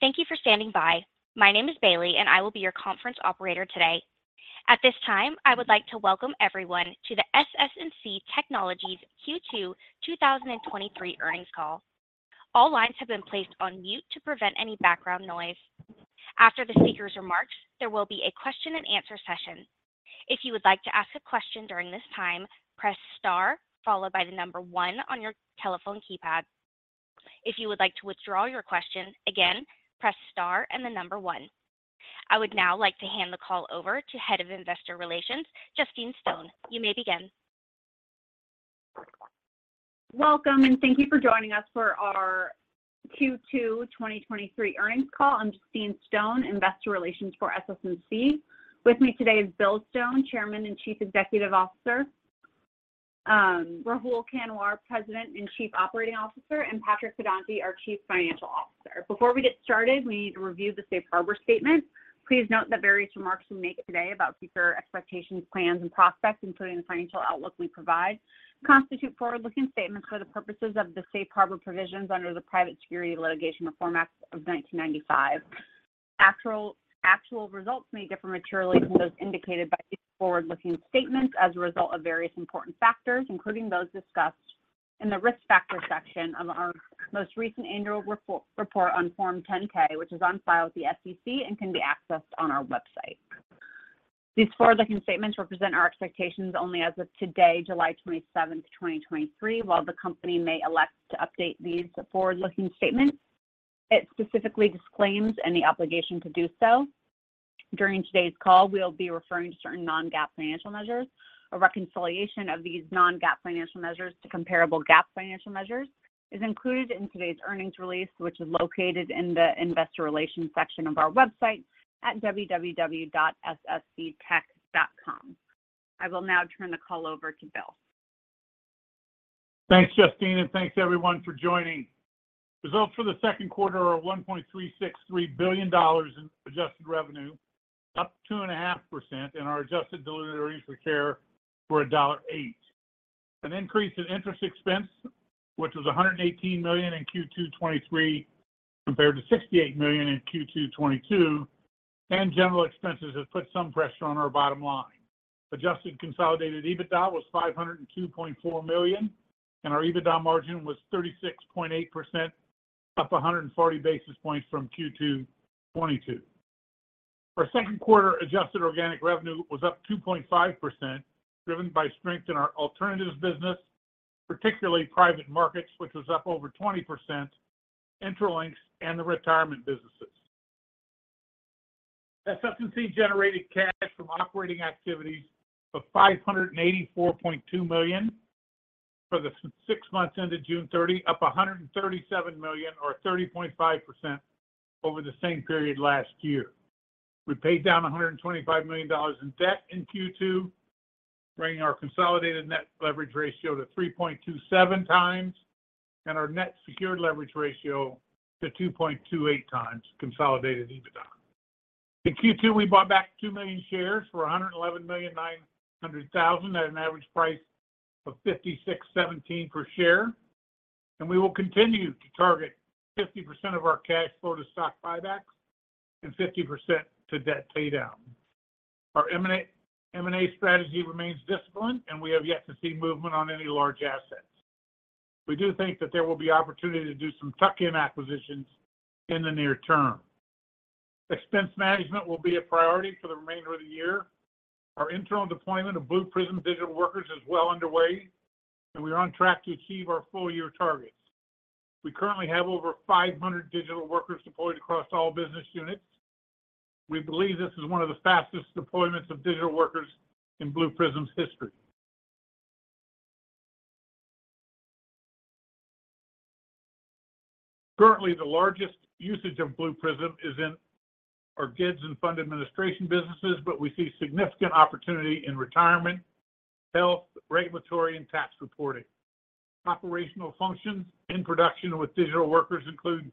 Thank you for standing by. My name is Bailey, and I will be your conference operator today. At this time, I would like to welcome everyone to the SS&C Technologies Q2 2023 earnings call. All lines have been placed on mute to prevent any background noise. After the speaker's remarks, there will be a question and answer session. If you would like to ask a question during this time, press star followed by the number one on your telephone keypad. If you would like to withdraw your question, again, press star and the number one. I would now like to hand the call over to Head of Investor Relations, Justine Stone. You may begin. Welcome, thank you for joining us for our Q2 2023 earnings call. I'm Justine Stone, Investor Relations for SS&C. With me today is Bill Stone, Chairman and Chief Executive Officer, Rahul Kanwar, President and Chief Operating Officer, and Patrick Pedonti, our Chief Financial Officer. Before we get started, we need to review the safe harbor statement. Please note that various remarks we make today about future expectations, plans, and prospects, including the financial outlook we provide, constitute forward-looking statements for the purposes of the safe harbor provisions under the Private Securities Litigation Reform Act of 1995. Actual, actual results may differ materially from those indicated by these forward-looking statements as a result of various important factors, including those discussed in the Risk Factors section of our most recent annual report, report on Form 10-K, which is on file with the SEC and can be accessed on our website. These forward-looking statements represent our expectations only as of today, July 27, 2023. While the company may elect to update these forward-looking statements, it specifically disclaims any obligation to do so. During today's call, we'll be referring to certain non-GAAP financial measures. A reconciliation of these non-GAAP financial measures to comparable GAAP financial measures is included in today's earnings release, which is located in the Investor Relations section of our website at www.ssctech.com. I will now turn the call over to Bill. Thanks, Justine, and thanks everyone for joining. Results for the Q2 are $1.363 billion in adjusted revenue, up 2.5%, and our adjusted diluted EPS were $1.08. An increase in interest expense, which was $118 million in Q2 2023, compared to $68 million in Q2 2022, and general expenses have put some pressure on our bottom line. Adjusted consolidated EBITDA was $502.4 million, and our EBITDA margin was 36.8%, up 140 basis points from Q2 2022. Our Q2 adjusted organic revenue was up 2.5%, driven by strength in our alternatives business, particularly private markets, which was up over 20%, Intralinks, and the retirement businesses. SS&C generated cash from operating activities of $584.2 million for the six months ended June 30, up $137 million or 30.5% over the same period last year. We paid down $125 million in debt in Q2, bringing our consolidated net leverage ratio to 3.27x and our net secured leverage ratio to 2.28x consolidated EBITDA. In Q2, we bought back 2 million shares for $111.9 million at an average price of $56.17 per share. We will continue to target 50% of our cash flow to stock buybacks and 50% - debt paydown. Our M&A, M&A strategy remains disciplined. We have yet to see movement on any large assets. We do think that there will be opportunity to do some tuck-in acquisitions in the near term. Expense management will be a priority for the remainder of the year. Our internal deployment of Blue Prism digital workers is well underway, and we are on track to achieve our full-year targets. We currently have over 500 digital workers deployed across all business units. We believe this is one of the fastest deployments of digital workers in Blue Prism's history. Currently, the largest usage of Blue Prism is in our GIDS and fund administration businesses, but we see significant opportunity in retirement, health, regulatory, and tax reporting. Operational functions in production with digital workers include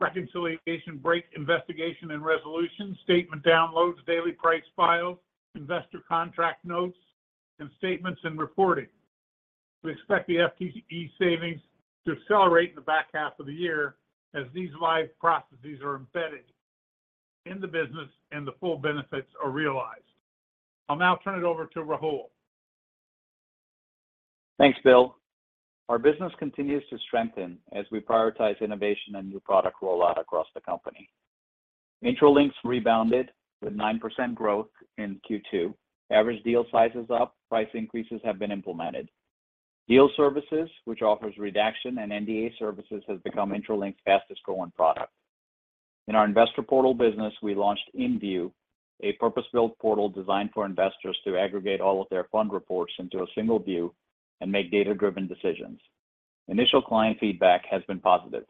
reconciliation, break investigation and resolution, statement downloads, daily price files, investor contract notes, and statements and reporting. We expect the FTE savings to accelerate in the back half of the year as these live processes are embedded in the business and the full benefits are realized. I'll now turn it over to Rahul. Thanks, Bill. Our business continues to strengthen as we prioritize innovation and new product rollout across the company. Intralinks rebounded with 9% growth in Q2. Average deal size is up, price increases have been implemented. Deal Services, which offers redaction and NDA services, has become Intralinks' fastest-growing product. In our investor portal business, we launched InView, a purpose-built portal designed for investors to aggregate all of their fund reports into a single view and make data-driven decisions. Initial client feedback has been positive.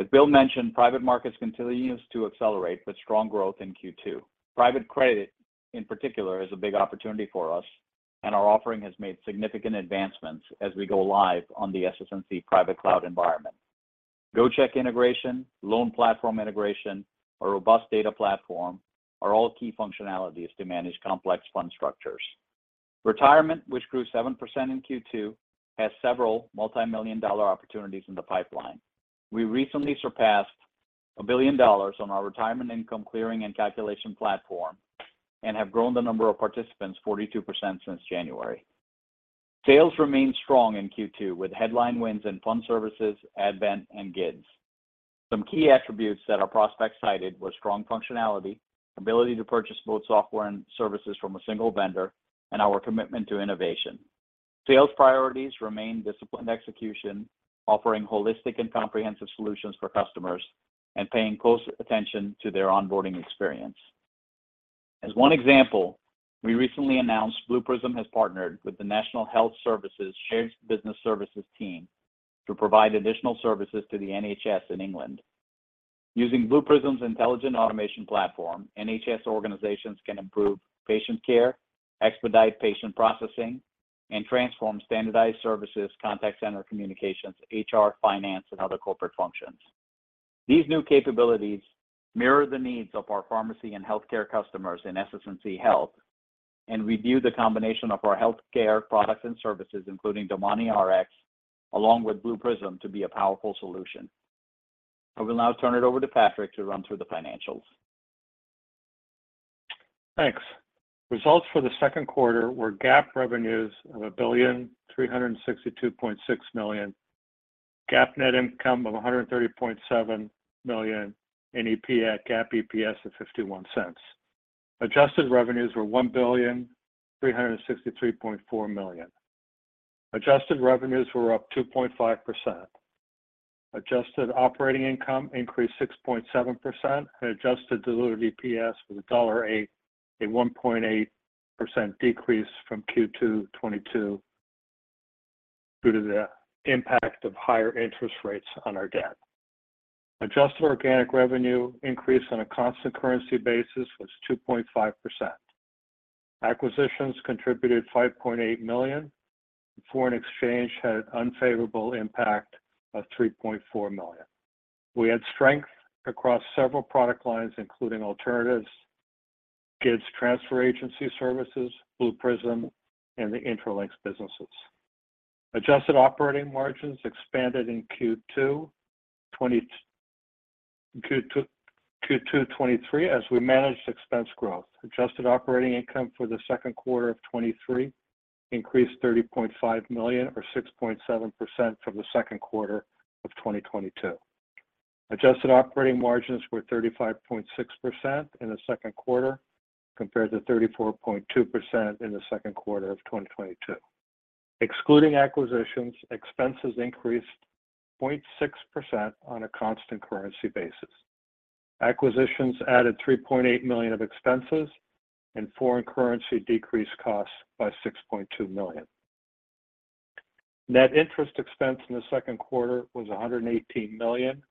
As Bill mentioned, private markets continues to accelerate with strong growth in Q2. Private credit, in particular, is a big opportunity for us, and our offering has made significant advancements as we go live on the SS&C Private Cloud environment. GoCheck integration, loan platform integration, a robust data platform are all key functionalities to manage complex fund structures. Retirement, which grew 7% in Q2, has several multimillion-dollar opportunities in the pipeline. We recently surpassed $1 billion on our Retirement Income Clearing & Calculation Platform, and have grown the number of participants 42% since January. Sales remain strong in Q2, with headline wins and fund services, Advent and GIDS. Some key attributes that our prospects cited were strong functionality, ability to purchase both software and services from a single vendor, and our commitment to innovation. Sales priorities remain disciplined execution, offering holistic and comprehensive solutions for customers, and paying close attention to their onboarding experience. As one example, we recently announced Blue Prism has partnered with the NHS Shared Business Services team to provide additional services to the NHS in England. Using Blue Prism's intelligent automation platform, NHS organizations can improve patient care, expedite patient processing, and transform standardized services, contact center communications, HR, finance, and other corporate functions. We view the combination of our healthcare products and services, including DomaniRx, along with Blue Prism, to be a powerful solution. I will now turn it over to Patrick to run through the financials. Thanks. Results for the Q2 were GAAP revenues of $1,362.6 million, GAAP net income of $130.7 million, diluted GAAP EPS of $0.51. Adjusted revenues were $1,363.4 million. Adjusted revenues were up 2.5%. Adjusted operating income increased 6.7%, and adjusted diluted EPS was $1.08, a 1.8% decrease from Q2 '22, due to the impact of higher interest rates on our debt. Adjusted organic revenue increase on a constant currency basis was 2.5%. Acquisitions contributed $5.8 million. Foreign exchange had an unfavorable impact of $3.4 million. We had strength across several product lines, including alternatives, GIDS Transfer Agency Services, Blue Prism, and the Intralinks businesses. Adjusted operating margins expanded in Q2 2023 as we managed expense growth. Adjusted operating income for the Q2 of 2023 increased $30.5 million, or 6.7% from the Q2 of 2022. Adjusted operating margins were 35.6% in the Q2, compared to 34.2% in the Q2 of 2022. Excluding acquisitions, expenses increased 0.6% on a constant currency basis. Acquisitions added $3.8 million of expenses, and foreign currency decreased costs by $6.2 million. Net interest expense in the Q2 was $118 million,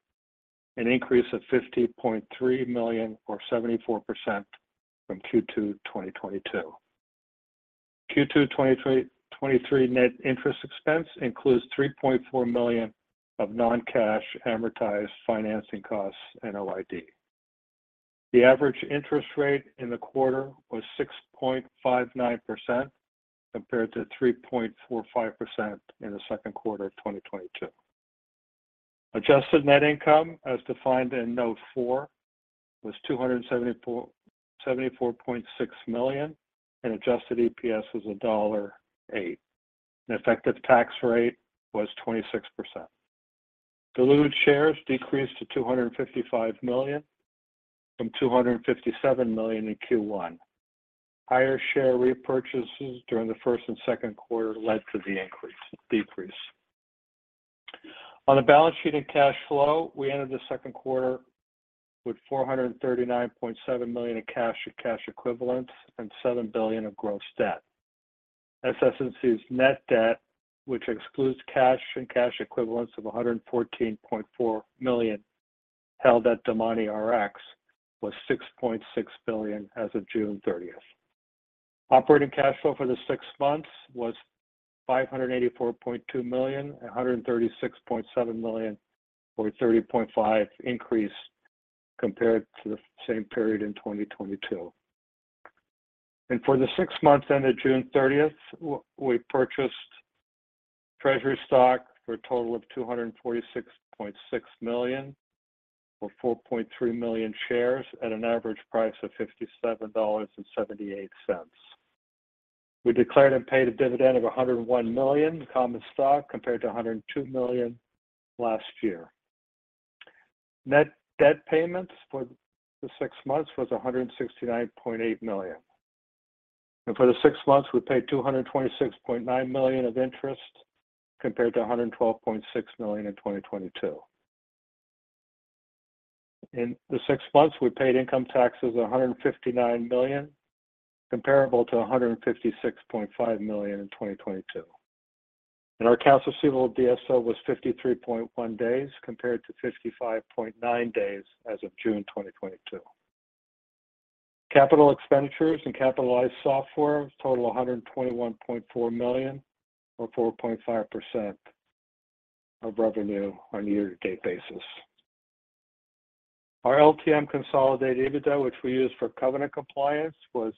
an increase of $50.3 million, or 74% from Q2 2022. Q2 2023 net interest expense includes $3.4 million of non-cash amortized financing costs and OID. The average interest rate in the quarter was 6.59%, compared to 3.45% in the Q2 of 2022. Adjusted Net income, as defined in Note 4, was $274.6 million, and Adjusted Diluted EPS was $1.08. The effective tax rate was 26%. Diluted shares decreased to 255 million from 257 million in Q1. Higher share repurchases during the first and Q2 led to the decrease. On the balance sheet and cash flow, we ended the Q2 with $439.7 million in cash and cash equivalents, and $7 billion of gross debt. SS&C's net debt, which excludes cash and cash equivalents of $114.4 million, held at DomaniRx, was $6.6 billion as of June 30. Operating cash flow for the six months was $584.2 million, and $136.7 million, or a 30.5% increase compared to the same period in 2022. For the six months ended June 30, we purchased Treasury stock for a total of $246.6 million, or 4.3 million shares at an average price of $57.78. We declared and paid a dividend of $101 million common stock, compared to $102 million last year. Net debt payments for the six months was $169.8 million, and for the six months, we paid $226.9 million of interest, compared to $112.6 million in 2022. In the six months, we paid income taxes of $159 million, comparable to $156.5 million in 2022. Our accounts receivable DSO was 53.1 days, compared to 55.9 days as of June 2022. Capital expenditures and capitalized software total $121.4 million, or 4.5% of revenue on a year-to-date basis.... Our LTM consolidated EBITDA, which we use for covenant compliance, was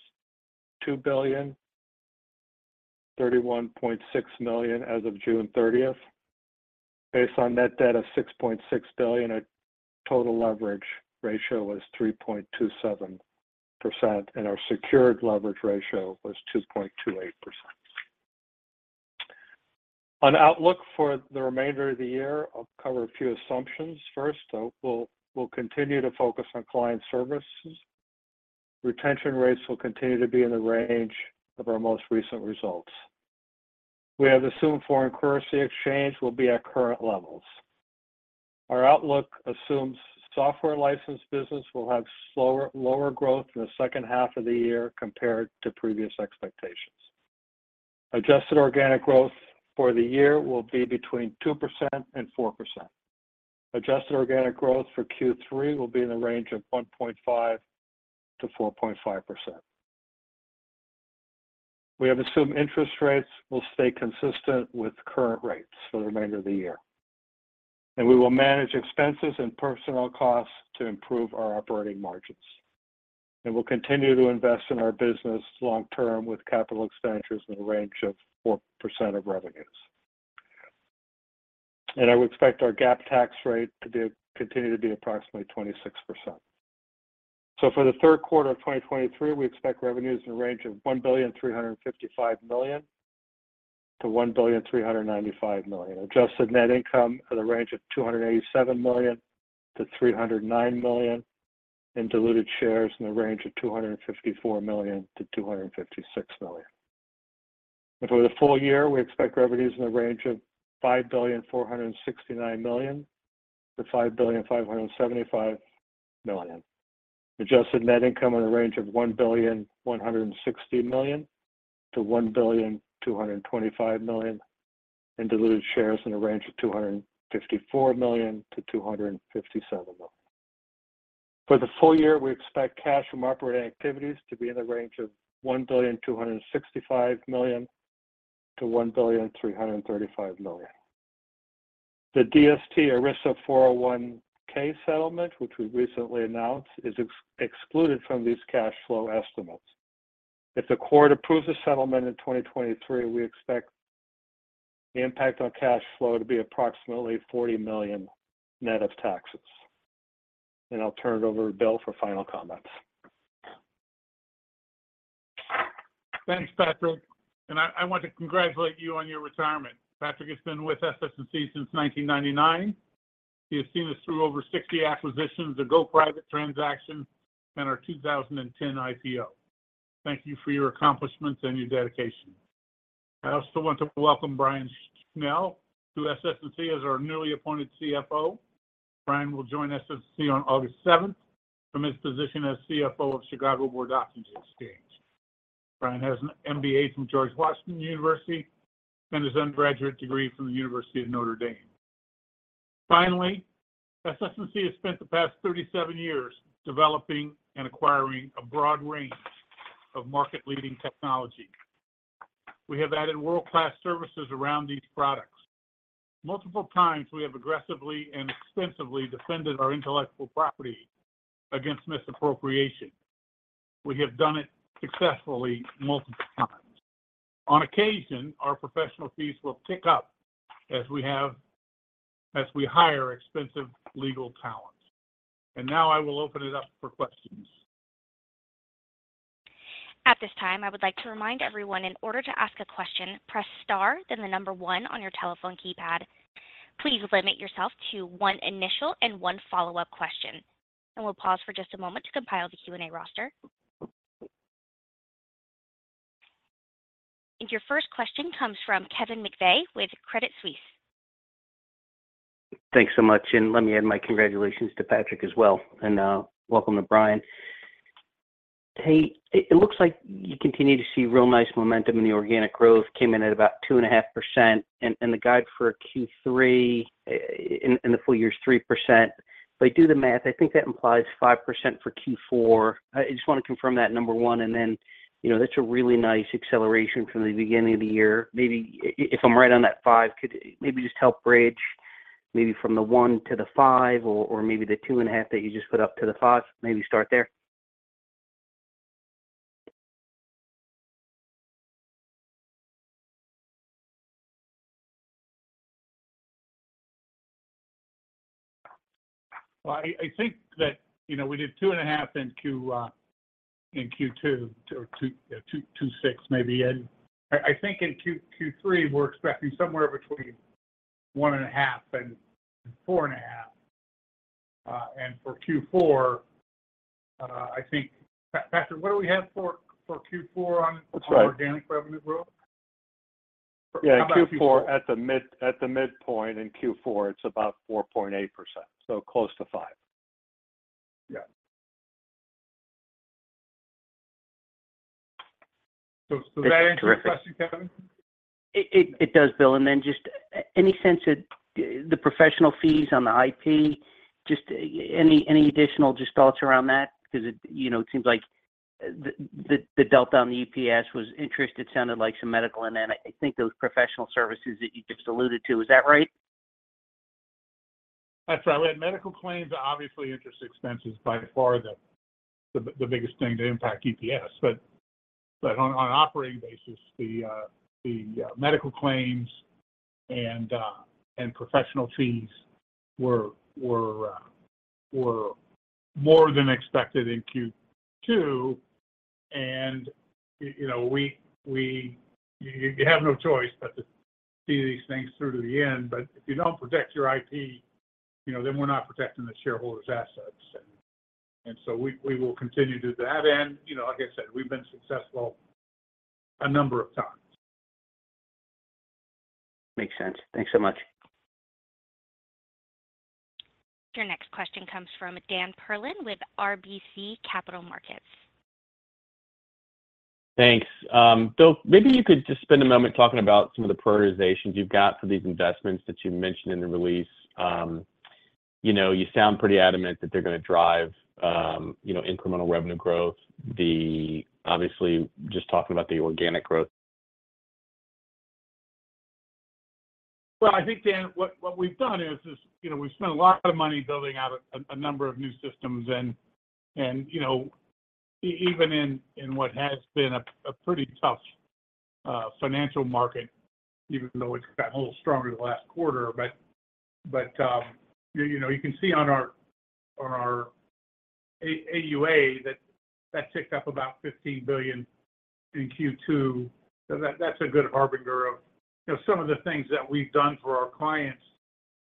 $2,031.6 million as of June 30. Based on net debt of $6.6 billion, our total leverage ratio was 3.27%, and our secured leverage ratio was 2.28%. On outlook for the remainder of the year, I'll cover a few assumptions. First, we'll, we'll continue to focus on client services. Retention rates will continue to be in the range of our most recent results. We have assumed foreign currency exchange will be at current levels. Our outlook assumes software license business will have slower, lower growth in the second half of the year compared to previous expectations. Adjusted organic growth for the year will be between 2% and 4%. Adjusted organic growth for Q3 will be in the range of 1.5%-4.5%. We have assumed interest rates will stay consistent with current rates for the remainder of the year. We will manage expenses and personnel costs to improve our operating margins. We'll continue to invest in our business long term with capital expenditures in the range of 4% of revenues. I would expect our GAAP tax rate to be, continue to be approximately 26%. For the Q3 of 2023, we expect revenues in the range of $1.355 billion-$1.395 billion. Adjusted Net income in the range of $287 million-$309 million, and diluted shares in the range of 254 million-256 million. For the full year, we expect revenues in the range of $5.469 billion-$5.575 billion. Adjusted Net income in a range of $1.160 billion-$1.225 billion, and diluted shares in a range of 254 million-257 million. For the full year, we expect cash from operating activities to be in the range of $1.265 billion-$1.335 billion. The DST/ERISA 401 settlement, which we recently announced, is excluded from these cash flow estimates. If the court approves the settlement in 2023, we expect the impact on cash flow to be approximately $40 million, net of taxes. I'll turn it over to Bill for final comments. Thanks, Patrick. I, I want to congratulate you on your retirement. Patrick has been with SS&C since 1999. He has seen us through over 60 acquisitions, a go-private transaction, and our 2010 IPO. Thank you for your accomplishments and your dedication. I also want to welcome Brian Schell to SS&C as our newly appointed CFO. Brian will join SS&C on August 7th from his position as CFO of Chicago Board Options Exchange. Brian has an MBA from George Washington University and his undergraduate degree from the University of Notre Dame. Finally, SS&C has spent the past 37 years developing and acquiring a broad range of market-leading technology. We have added world-class services around these products. Multiple times, we have aggressively and extensively defended our intellectual property against misappropriation. We have done it successfully multiple times. On occasion, our professional fees will tick up as we hire expensive legal talent. Now I will open it up for questions. At this time, I would like to remind everyone, in order to ask a question, press star, then the number one on your telephone keypad. Please limit yourself to one initial and one follow-up question. We'll pause for just a moment to compile the Q&A roster. Your first question comes from Kevin McVeigh with Credit Suisse. Thanks so much, and let me add my congratulations to Patrick as well, and welcome to Brian. Hey, it looks like you continue to see real nice momentum in the organic growth, came in at about 2.5%, and the guide for Q3 in the full year is 3%. If I do the math, I think that implies 5% for Q4. I just want to confirm that, 1. Then, you know, that's a really nice acceleration from the beginning of the year. Maybe if I'm right on that 5, could maybe just help bridge, maybe from the 1 to the 5 or maybe the 2.5 that you just put up to the 5? Maybe start there. Well, I, I think that, you know, we did 2.5% in Q, in Q2, or 2.26%, maybe, Ed. I, I think in Q2 twenty-three, we're expecting somewhere between 1.5% and 4.5%. For Q4, I think... Patrick, what do we have for, for Q4 on... That's right. -organic revenue growth? Yeah, Q4 at the midpoint in Q4, it's about 4.8%, so close to 5. Yeah. Does that answer your question, Kevin? It does, Bill. Then just any sense of the professional fees on the IP? Just any, any additional just thoughts around that? Because it, you know, it seems like... The delta on the EPS was interest. It sounded like some medical and then I think those professional services that you just alluded to. Is that right? That's right. We had medical claims, but obviously, interest expense is by far the biggest thing to impact EPS. On an operating basis, the medical claims and professional fees were more than expected in Q2. You know, you have no choice but to see these things through to the end. If you don't protect your IP, you know, then we're not protecting the shareholders' assets. So we will continue to do that. You know, like I said, we've been successful a number of times. Makes sense. Thanks so much. Your next question comes from Dan Perlin with RBC Capital Markets. Thanks. Bill, maybe you could just spend a moment talking about some of the prioritizations you've got for these investments that you mentioned in the release. you know, you sound pretty adamant that they're gonna drive, you know, incremental revenue growth. obviously, just talking about the organic growth. Well, I think, Dan, what, what we've done is, is, you know, we've spent a lot of money building out a, a number of new systems. Even in, in what has been a, a pretty tough financial market, even though it's gotten a little stronger the last quarter. You, you know, you can see on our, on our AUA that that ticked up about $15 billion in Q2. That, that's a good harbinger of, you know, some of the things that we've done for our clients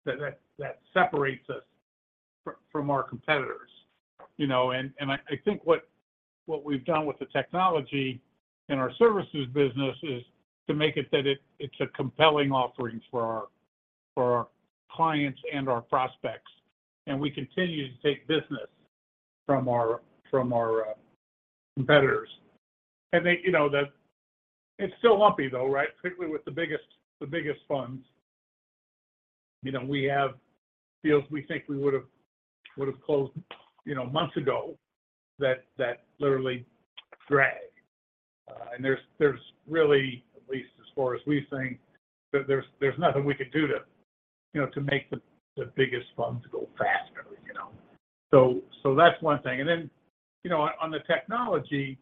that, that, that separates us from our competitors, you know? I think what we've done with the technology in our services business is to make it that it's a compelling offering for our clients and our prospects, and we continue to take business from our competitors. They, you know, the... It's still lumpy, though, right? Particularly with the biggest, the biggest funds. You know, we have deals we think we would've, would've closed, you know, months ago that, that literally drag. There's, there's really, at least as far as we think, there's, there's nothing we can do to, you know, to make the biggest funds go faster, you know? That's one thing. Then, you know, on the technology,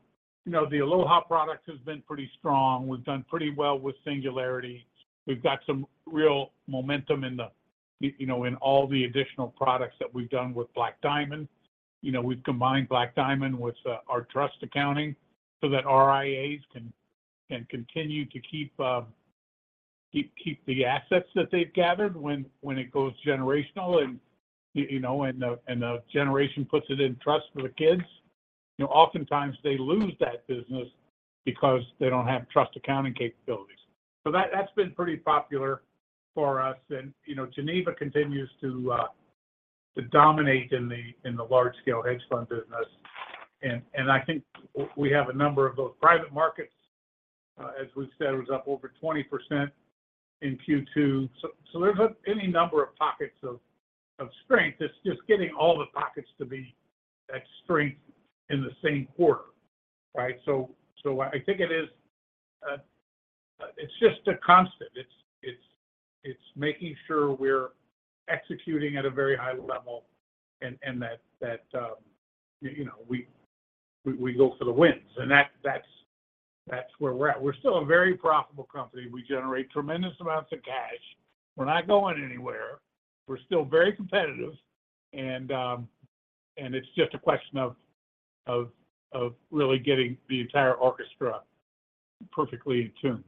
you know, the Aloha product has been pretty strong. We've done pretty well with Singularity. We've got some real momentum in the, you know, in all the additional products that we've done with Black Diamond. You know, we've combined Black Diamond with our trust accounting, so that RIAs can continue to keep, keep the assets that they've gathered when, when it goes generational and, you know, and the, and the generation puts it in trust for the kids. You know, oftentimes they lose that business because they don't have trust accounting capabilities. That, that's been pretty popular for us. You know, Geneva continues to dominate in the, in the large-scale hedge fund business. We have a number of those private markets, as we've said, was up over 20% in Q2. There's any number of pockets of, of strength. It's just getting all the pockets to be at strength in the same quarter, right? So I think it is, it's just a constant. It's, it's, it's making sure we're executing at a very high level and, and that, that, you know, we, we, we go for the wins. That's, that's, that's where we're at. We're still a very profitable company. We generate tremendous amounts of cash. We're not going anywhere. We're still very competitive, and it's just a question of, of, of really getting the entire orchestra perfectly in tune.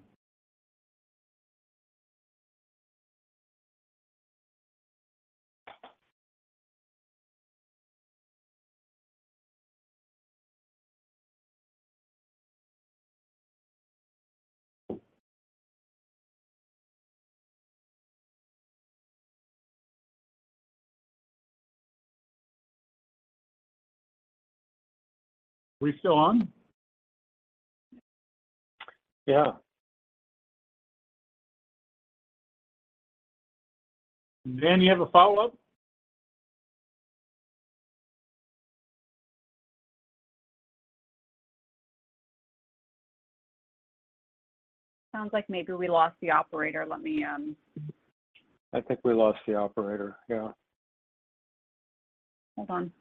Are we still on? Yeah. Dan, you have a follow-up? Sounds like maybe we lost the operator. Let me. I think we lost the operator, yeah. Hold on.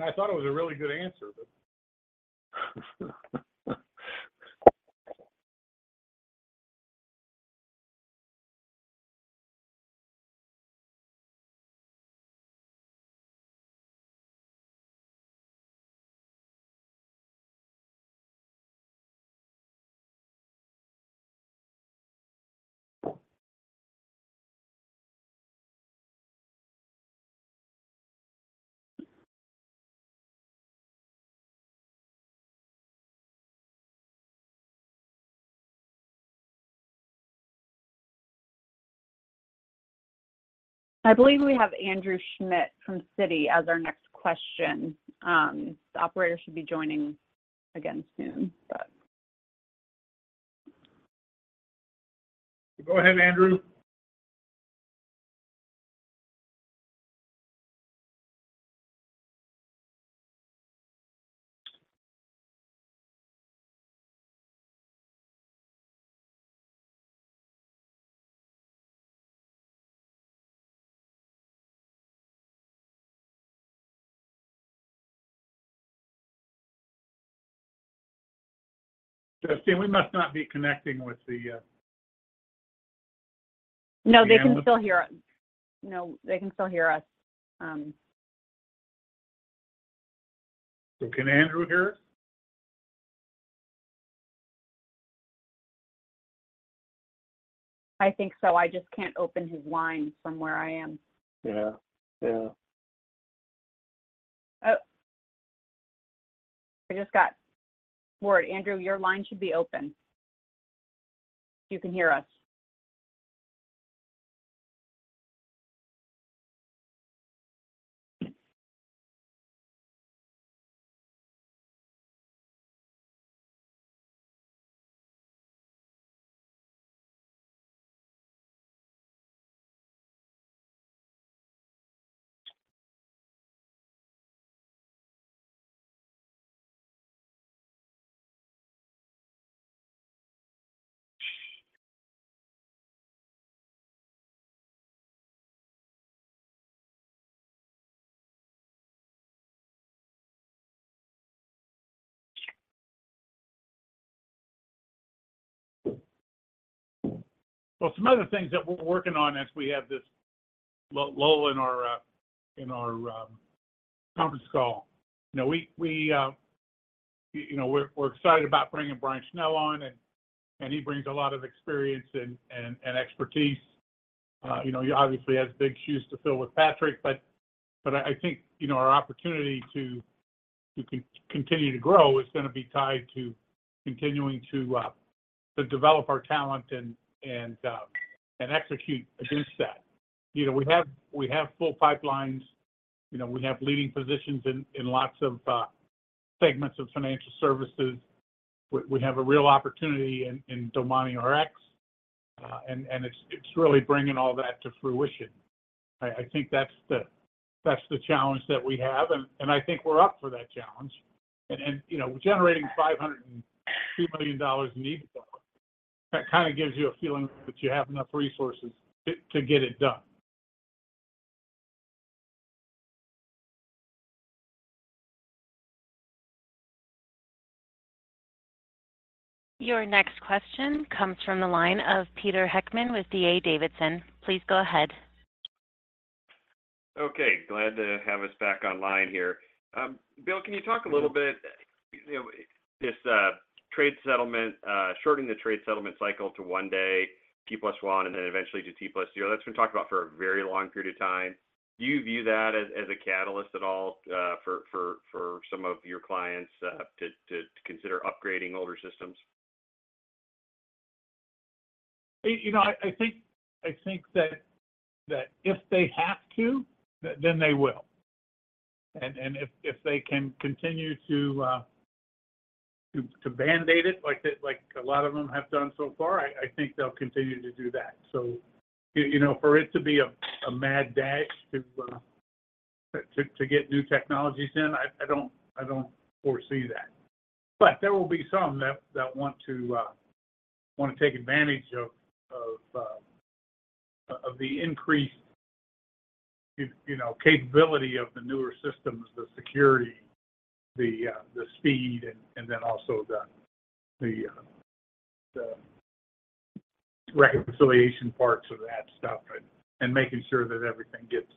I thought it was a really good answer, but. I believe we have Andrew Schmidt from Citi as our next question. The operator should be joining again soon, but- Go ahead, Andrew. Christine, we must not be connecting with the. No, they can still hear us. No, they can still hear us. Can Andrew hear us? I think so. I just can't open his line from where I am. Yeah. Yeah. Oh, I just got word. Andrew, your line should be open, if you can hear us. Well, some other things that we're working on as we have this lull in our in our conference call. You know, we, we, you know, we're, we're excited about bringing Brian Schell on, and, and he brings a lot of experience and, and, and expertise. You know, he obviously has big shoes to fill with Patrick, but, but I, I think, you know, our opportunity to continue to grow is going to be tied to continuing to develop our talent and, and execute against that. You know, we have, we have full pipelines. You know, we have leading positions in, in lots of segments of financial services. We, we have a real opportunity in, in DomaniRx, and, and it's, it's really bringing all that to fruition. I, I think that's the, that's the challenge that we have, and, and I think we're up for that challenge. You know, generating $502 million in EBITDA, that kind of gives you a feeling that you have enough resources to, to get it done. Your next question comes from the line of Peter Heckmann with D.A. Davidson. Please go ahead. Okay, glad to have us back online here. Bill, can you talk a little bit, you know, this, trade settlement, shortening the trade settlement cycle to 1 day, T plus one, and then eventually to T plus 0? That's been talked about for a very long period of time. Do you view that as, as a catalyst at all, for some of your clients, to consider upgrading older systems? You know, I, I think, I think that, that if they have to, then, then they will. If, if they can continue to, to, to band-aid it, like they like a lot of them have done so far, I, I think they'll continue to do that. You know, for it to be a, a mad dash to, to, to get new technologies in, I, I don't, I don't foresee that. There will be some that, that want to, want to take advantage of, of, of the increased, you know, capability of the newer systems, the security, the speed, and, and then also the, the, the reconciliation parts of that stuff and, and making sure that everything gets,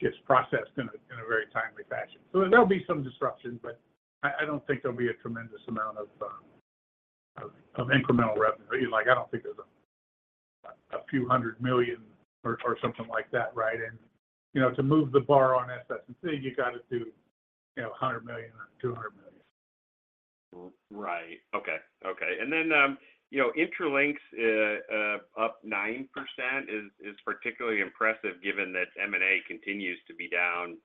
gets processed in a, in a very timely fashion. There'll be some disruption, but I, I don't think there'll be a tremendous amount of incremental revenue. Like, I don't think there's a few $100 million or something like that, right? You know, to move the bar on SS&C, you got to do, you know, $100 million or $200 million. Right. Okay, okay. Then, you know, Intralinks, up 9% is particularly impressive, given that M&A continues to be down,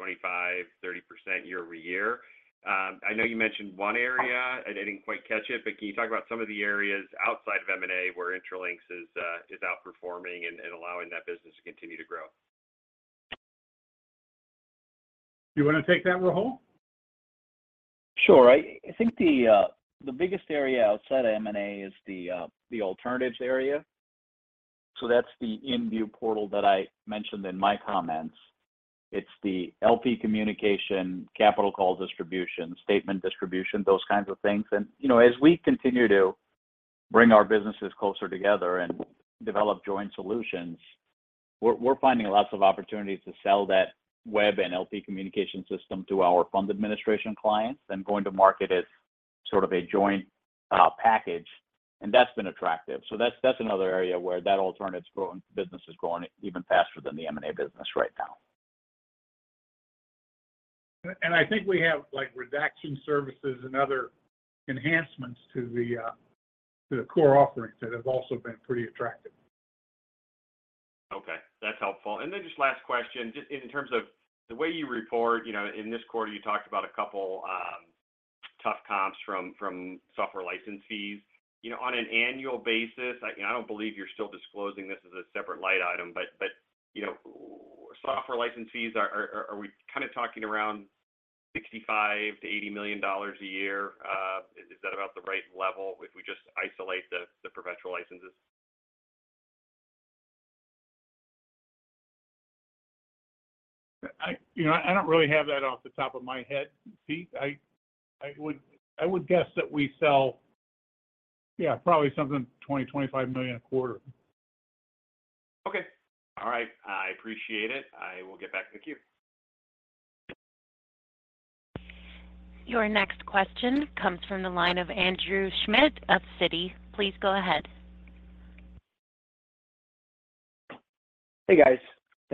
25%-30% year-over-year. I know you mentioned one area, I, I didn't quite catch it, but can you talk about some of the areas outside of M&A where Intralinks is outperforming and allowing that business to continue to grow? You want to take that, Rahul? Sure. I, I think the, the biggest area outside of M&A is the, the alternatives area. That's the InView portal that I mentioned in my comments. It's the LP communication, capital call distribution, statement distribution, those kinds of things. You know, as we continue to bring our businesses closer together and develop joint solutions, we're, we're finding lots of opportunities to sell that web and LP communication system to our fund administration clients and going to market as sort of a joint package, and that's been attractive. That's, that's another area where that alternatives growing business is growing even faster than the M&A business right now. I think we have, like, redaction services and other enhancements to the core offerings that have also been pretty attractive. ... helpful. Then just last question, just in, in terms of the way you report, you know, in this quarter, you talked about a couple tough comps from, from software license fees. You know, on an annual basis, I, you know, I don't believe you're still disclosing this as a separate line item, but, but, you know, software license fees are, are, are we kind of talking around $65 million-$80 million a year? Is, is that about the right level if we just isolate the, the perpetual licenses? I, you know, I don't really have that off the top of my head, Pete. I, I would, I would guess that we sell, yeah, probably something $20 million-$25 million a quarter. Okay. All right. I appreciate it. I will get back to the queue. Your next question comes from the line of Andrew Schmidt of Citi. Please go ahead. Hey, guys.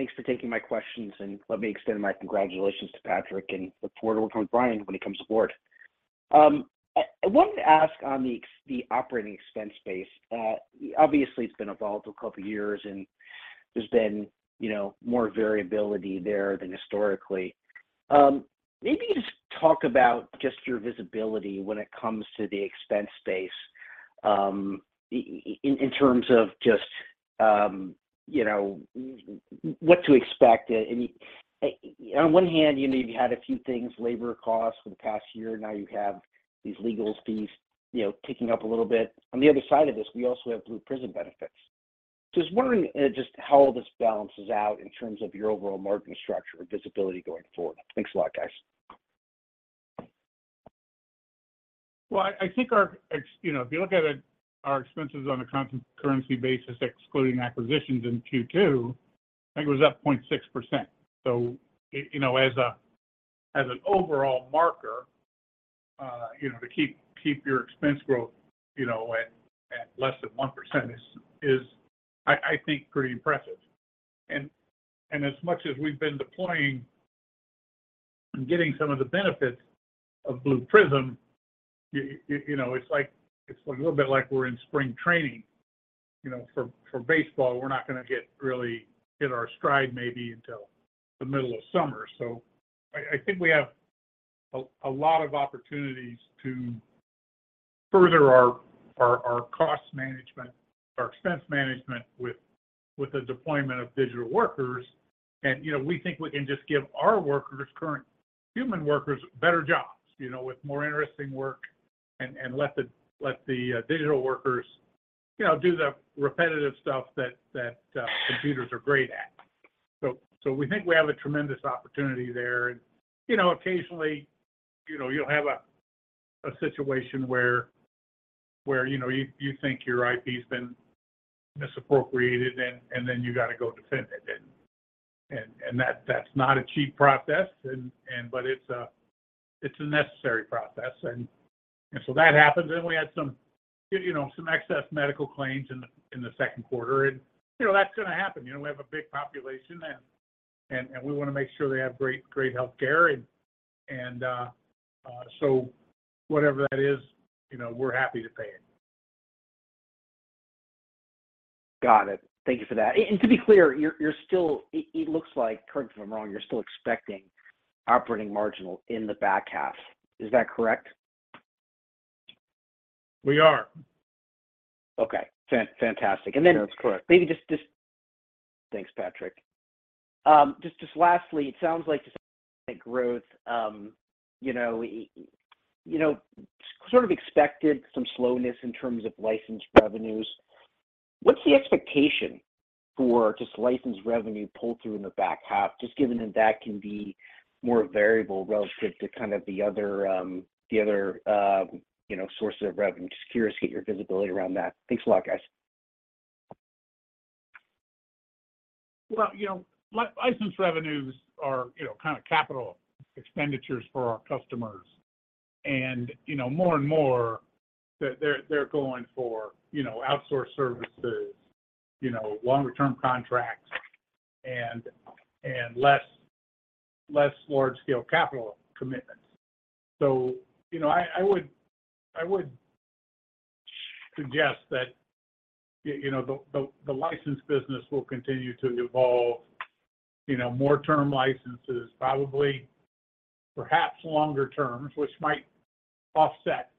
Thanks for taking my questions, and let me extend my congratulations to Patrick and look forward to working with Brian when he comes aboard. I wanted to ask on the operating expense base. Obviously, it's been evolved a couple of years, and there's been, you know, more variability there than historically. Maybe just talk about just your visibility when it comes to the expense base, in terms of just, you know, what to expect. On one hand, you know, you've had a few things, labor costs for the past year. Now you have these legal fees, you know, ticking up a little bit. On the other side of this, we also have Blue Prism benefits. Just wondering, just how all this balances out in terms of your overall margin structure or visibility going forward. Thanks a lot, guys. I, I think our expenses, you know, if you look at it, our expenses on a currency basis, excluding acquisitions in Q2, I think it was up 0.6%. You know, as a, as an overall marker, you know, to keep, keep your expense growth, you know, at, at less than 1% is, is I, I think, pretty impressive. As much as we've been deploying and getting some of the benefits of Blue Prism, you know, it's like it's a little bit like we're in spring training, you know, for, for baseball. We're not gonna get really in our stride maybe until the middle of summer. I, I think we have a, a lot of opportunities to further our, our, our cost management, our expense management with, with the deployment of digital workers. st give our workers, current human workers, better jobs, you know, with more interesting work, and let the digital workers, you know, do the repetitive stuff that computers are great at. We think we have a tremendous opportunity there. And, you know, occasionally, you know, you'll have a situation where, where, you know, you, you think your IP's been misappropriated, and then you gotta go defend it. And that's not a cheap process, but it's a necessary process. And so that happens, and we had some, you know, some excess medical claims in the Q2, and, you know, that's gonna happen. You know, we have a big population, and we wanna make sure they have great, great healthcare Whatever that is, you know, we're happy to pay it. Got it. Thank you for that. To be clear, you're still, it looks like, correct me if I'm wrong, you're still expecting operating marginal in the back half. Is that correct? We are. Okay, fantastic. That's correct. Maybe just, just-- Thanks, Patrick. Just, just lastly, it sounds like just growth, you know, sort of expected some slowness in terms of licensed revenues. What's the expectation for just licensed revenue pull-through in the back half, just given that that can be more variable relative to kind of the other, the other, you know, sources of revenue? Just curious to get your visibility around that. Thanks a lot, guys. Well, you know, license revenues are, you know, kind of capital expenditures for our customers. You know, more and more, they're, they're, they're going for, you know, outsourced services, you know, longer-term contracts and, and less, less large-scale capital commitments. You know, I, I would, I would suggest that, you know, the, the, the license business will continue to evolve, you know, more term licenses, probably, perhaps longer terms, which might offset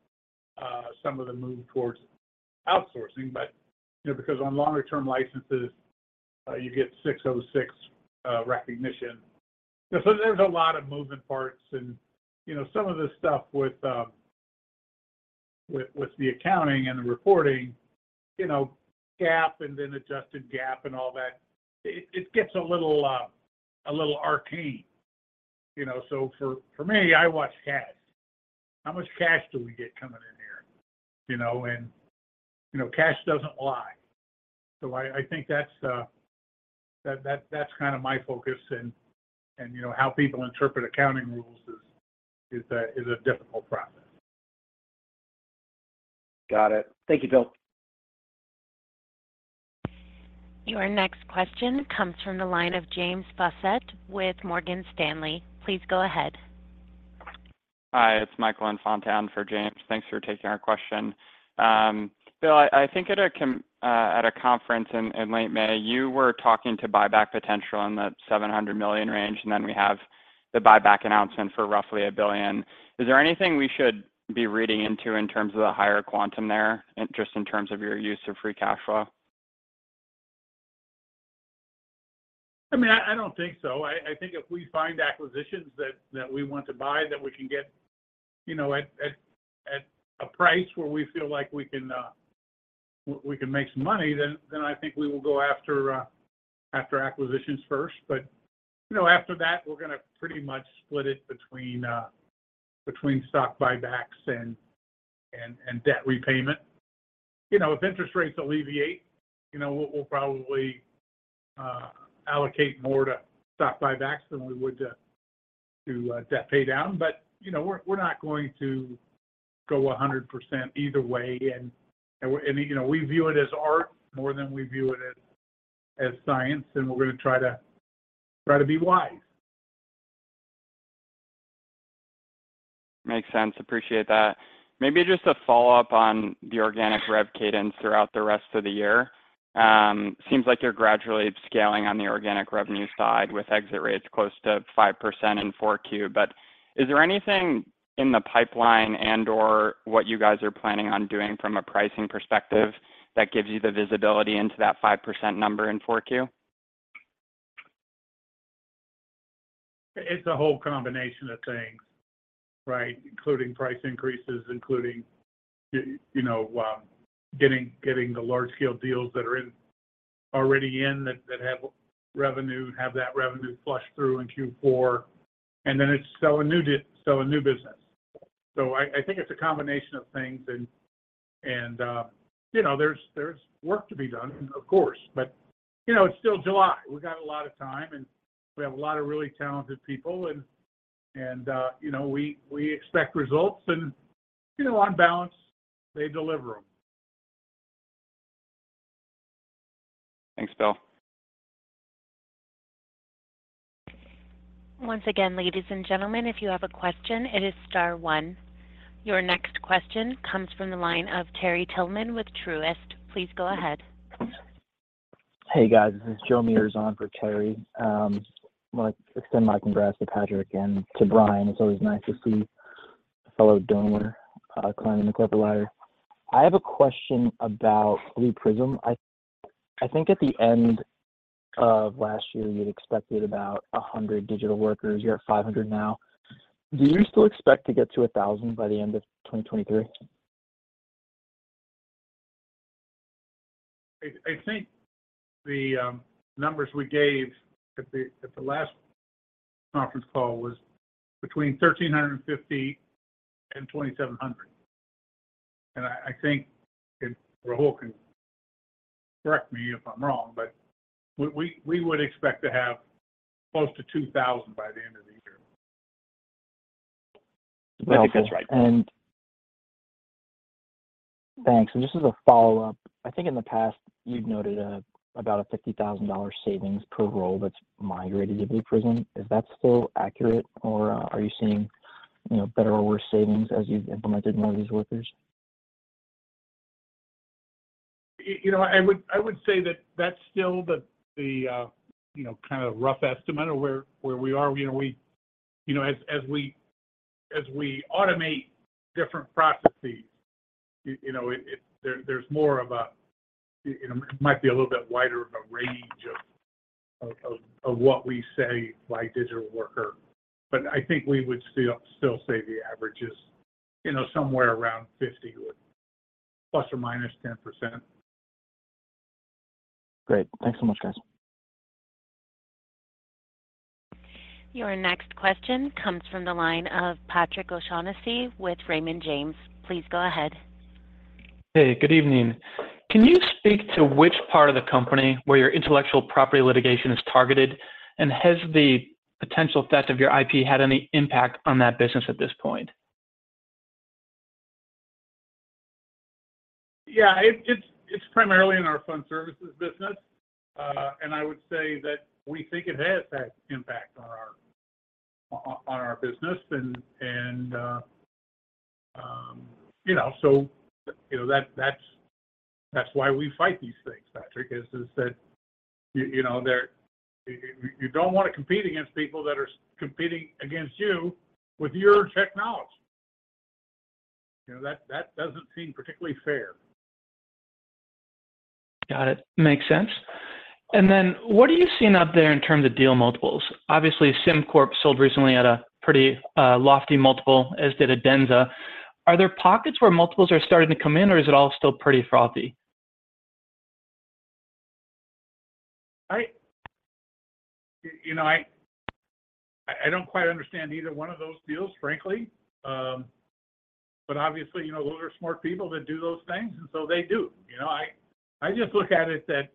some of the move towards outsourcing. You know, because on longer-term licenses, you get six oh six recognition. There's a lot of moving parts, and, you know, some of this stuff with, with, with the accounting and the reporting, you know, GAAP and then adjusted GAAP and all that, it, it gets a little, a little arcane, you know? For, for me, I watch cash. How much cash do we get coming in here? You know, and, you know, cash doesn't lie. I, I think that's, that, that, that's kind of my focus. And, you know, how people interpret accounting rules is, is a, is a difficult process. Got it. Thank you, Bill. Your next question comes from the line of James Fassett with Morgan Stanley. Please go ahead. Hi, it's Michael Enfontaine for James. Thanks for taking our question. Bill, I, I think at a conference in, in late May, you were talking to buyback potential in the $700 million range. Then we have the buyback announcement for roughly $1 billion. Is there anything we should be reading into in terms of the higher quantum there, just in terms of your use of free cash flow? I mean, I don't think so. I think if we find acquisitions that we want to buy, that we can get, you know, at, at, at a price where we feel like we can, we can make some money, then, then I think we will go after acquisitions first. You know, after that, we're gonna pretty much split it between stock buybacks and debt repayment. You know, if interest rates alleviate, you know, we'll probably allocate more to stock buybacks than we would to debt pay down. You know, we're not going to go 100% either way. You know, we view it as art more than we view it as science, and we're gonna try to be wise. Makes sense. Appreciate that. Maybe just a follow-up on the organic rev cadence throughout the rest of the year. Seems like you're gradually scaling on the organic revenue side with exit rates close to 5% in 4Q. Is there anything in the pipeline and/or what you guys are planning on doing from a pricing perspective that gives you the visibility into that 5% number in 4Q? It's a whole combination of things, right? Including price increases, including, you know, getting the large-scale deals that are already in, that, that have revenue, have that revenue flush through in Q4. Then it's selling new business. I think it's a combination of things, and, you know, there's work to be done, of course. You know, it's still July. We've got a lot of time. We have a lot of really talented people, and, you know, we expect results, and, you know, on balance, they deliver them. Thanks, Bill. Once again, ladies and gentlemen, if you have a question, it is star one. Your next question comes from the line of Terry Tillman with Truist. Please go ahead. Hey, guys. This is Joseph Vafi for Terry. I want to extend my congrats to Patrick and to Brian. It's always nice to see a fellow Domer climbing the corporate ladder. I have a question about Blue Prism. I think at the end of last year, you'd expected about 100 digital workers. You're at 500 now. Do you still expect to get to 1,000 by the end of 2023? I think the numbers we gave at the last conference call was between 1,350 and 2,700. I think, and Rahul can correct me if I'm wrong, but we would expect to have close to 2,000 by the end of the year. helpful. I think that's right. Thanks. Just as a follow-up, I think in the past, you've noted, about a $50,000 savings per role that's migrated to Blue Prism. Is that still accurate, or, are you seeing, you know, better or worse savings as you've implemented more of these workers? You know, I would say that that's still the, you know, kind of rough estimate of where we are. You know, we. You know, as we automate different processes, you know, it, there's more of a, you know, it might be a little bit wider of a range of what we say by digital worker. I think we would still say the average is, you know, somewhere around 50 with ±10%. Great. Thanks so much, guys. Your next question comes from the line of Patrick O'Shaughnessy with Raymond James. Please go ahead. Hey, good evening. Can you speak to which part of the company where your intellectual property litigation is targeted? Has the potential theft of your IP had any impact on that business at this point? Yeah, it's, it's primarily in our fund services business. I would say that we think it has had impact on our business. You know, so, you know, that's, that's why we fight these things, Patrick, is, is that you know, they're. You don't want to compete against people that are competing against you with your technology. You know, that, that doesn't seem particularly fair. Got it. Makes sense. Then what are you seeing out there in terms of deal multiples? Obviously, SimCorp sold recently at a pretty lofty multiple, as did Adenza. Are there pockets where multiples are starting to come in, or is it all still pretty frothy? I, you know, I, I don't quite understand either one of those deals, frankly. Obviously, you know, those are smart people that do those things, and so they do. You know, I, I just look at it that,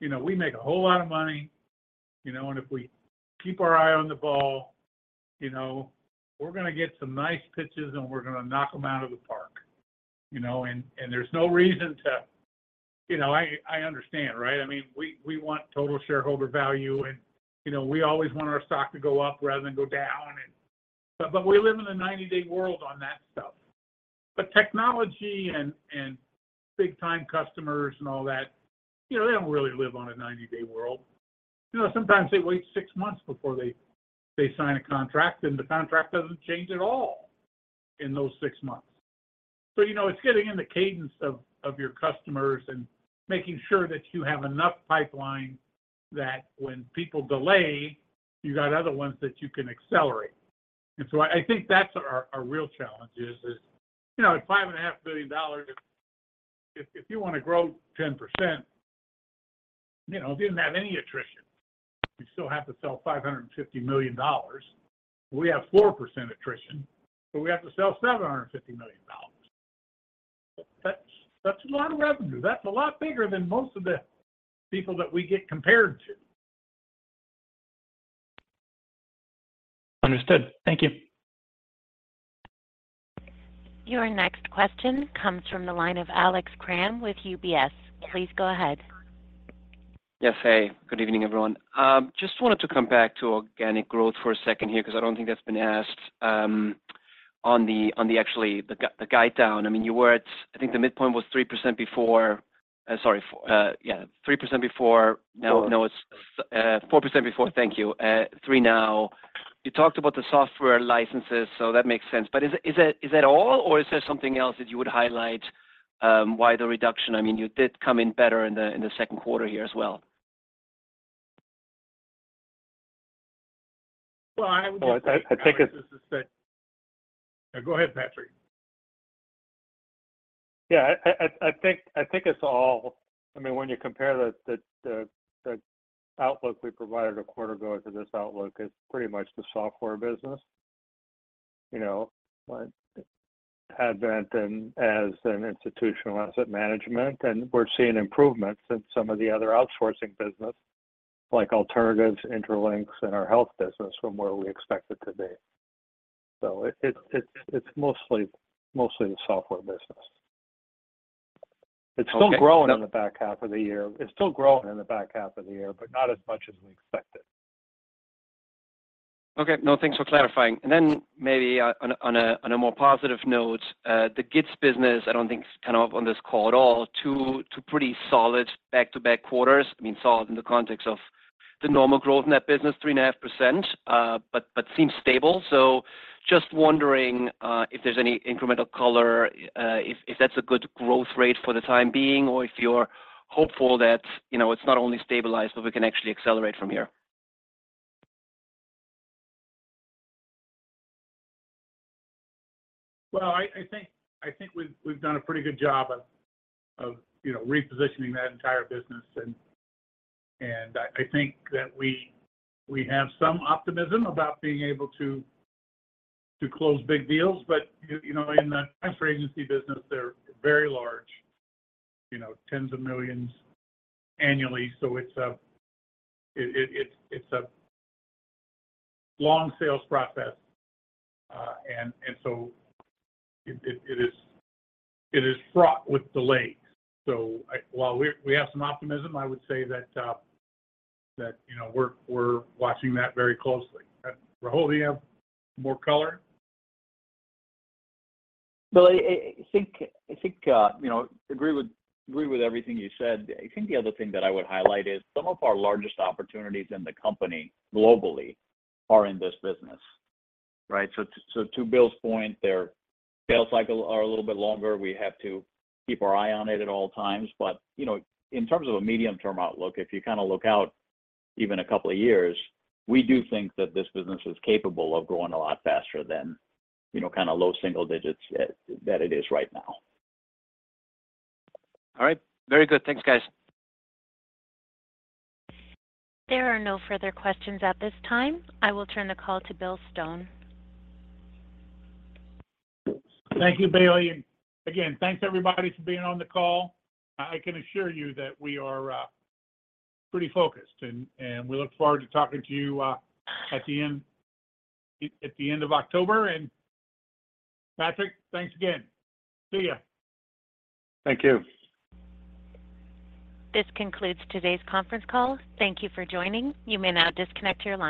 you know, we make a whole lot of money, you know, and if we keep our eye on the ball, you know, we're gonna get some nice pitches, and we're gonna knock them out of the park. You know, and there's no reason to... you know, I, I understand, right? I mean, we, we want total shareholder value, and, you know, we always want our stock to go up rather than go down, and, but we live in a 90-day world on that stuff. Technology and, and big-time customers and all that, you know, they don't really live on a 90-day world. You know, sometimes they wait six months before they, they sign a contract, and the contract doesn't change at all in those six months. You know, it's getting in the cadence of, of your customers and making sure that you have enough pipeline, that when people delay, you got other ones that you can accelerate. I think that's our, our real challenge is, is, you know, at $5.5 billion, if, if you wanna grow 10%, you know, if you didn't have any attrition, you still have to sell $550 million. We have 4% attrition, so we have to sell $750 million. That's, that's a lot of revenue. That's a lot bigger than most of the people that we get compared to. Understood. Thank you. Your next question comes from the line of Alex Kramm with UBS. Please go ahead. Yes. Hey, good evening, everyone. Just wanted to come back to organic growth for a second here because I don't think that's been asked on the, on the actually, the guide down. I mean, you were at, I think the midpoint was 3% before, sorry, for, yeah, 3% before. Four. No, no, it's 4% before. Thank you. 3 now. You talked about the software licenses, so that makes sense. Is that, is that all, or is there something else that you would highlight, why the reduction? I mean, you did come in better in the, in the Q2 here as well. Well. No, I, I think it- No, go ahead, Patrick. Yeah, I think it's all. I mean, when you compare the outlook we provided a quarter ago to this outlook, it's pretty much the software business. You know, like, Advent and as an institutional asset management, and we're seeing improvements in some of the other outsourcing business, like alternatives, Intralinks, and our health business from where we expect it to be. It's mostly the software business. Okay. It's still growing in the back half of the year. It's still growing in the back half of the year, but not as much as we expected. Okay. No, thanks for clarifying. Then maybe, on a, on a more positive note, the GIDS business, I don't think it's kind of on this call at all, two, two pretty solid back-to-back quarters. I mean, solid in the context of the normal growth in that business, 3.5%, but, but seems stable. Just wondering, if there's any incremental color, if, if that's a good growth rate for the time being, or if you're hopeful that, you know, it's not only stabilized, but we can actually accelerate from here? Well, I think we've done a pretty good job of, you know, repositioning that entire business business. I think that we have some optimism about being able to close big deals. You know, in the transfer agency business, they're very large, you know, tens of millions annually, so it's a, it's a long sales process. So it is fraught with delay. While we have some optimism, I would say that, you know, we're watching that very closely. Rahul, do you have more color? Well, I think, I think, you know, agree with, agree with everything you said. I think the other thing that I would highlight is some of our largest opportunities in the company, globally, are in this business, right? To Bill's point, their sales cycle are a little bit longer. We have to keep our eye on it at all times. You know, in terms of a medium-term outlook, if you kinda look out even a couple of years, we do think that this business is capable of growing a lot faster than, you know, kinda low single digits that it is right now. All right. Very good. Thanks, guys. There are no further questions at this time. I will turn the call to Bill Stone. Thank you, Bailey. Thanks, everybody, for being on the call. I can assure you that we are pretty focused, and we look forward to talking to you at the end of October. Patrick, thanks again. See ya. Thank you. This concludes today's conference call. Thank you for joining. You may now disconnect your line.